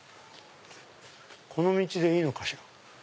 この道でいいのかしら？